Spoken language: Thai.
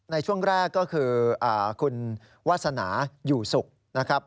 ในช่วงแรกก็คือคุณวัสนาอยู่ศุกร์